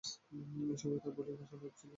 এ সফরে তার বোলিং আশানুরূপ ছিল না।